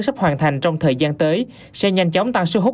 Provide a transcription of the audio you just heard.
sắp hoàn thành trong thời gian tới sẽ nhanh chóng tăng sức hút